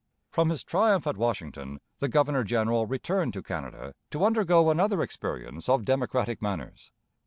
From his triumph at Washington the governor general returned to Canada to undergo another experience of democratic manners.